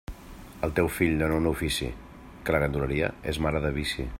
Al teu fill dóna un ofici, que la ganduleria és mare del vici.